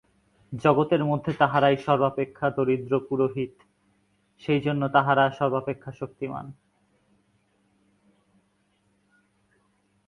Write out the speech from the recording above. জগতের মধ্যে তাহারাই সর্বাপেক্ষা দরিদ্র পুরোহিত, সেইজন্যই তাহারা সর্বাপেক্ষা শক্তিমান্।